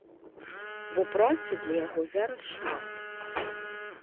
Бо працы для яго зараз шмат.